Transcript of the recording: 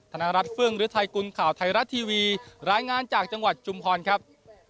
ธนรัฐเฟื่องฤทัยกุลข่าวไทยรัฐทีวีรายงานจากจังหวัดชุมพรครับ